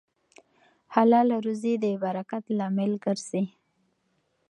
حلاله روزي د برکت لامل ګرځي.